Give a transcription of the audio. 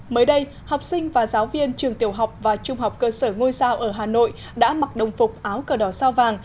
mới đây học sinh và giáo viên trường tiểu học và trung học cơ sở ngôi sao ở hà nội đã mặc đồng phục áo cờ đỏ sao vàng